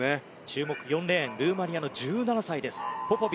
注目４レーンルーマニアの１７歳です